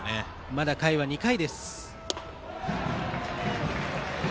まだ回は２回です。